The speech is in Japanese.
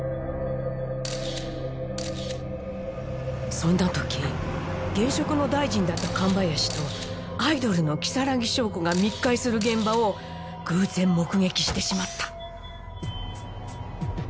そんな時現職の大臣だった神林とアイドルの如月翔子が密会する現場を偶然目撃してしまった。